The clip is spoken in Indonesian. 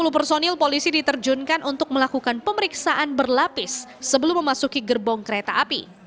dua ratus tiga puluh personil polisi diterjunkan untuk melakukan pemeriksaan berlapis sebelum memasuki gerbong kereta api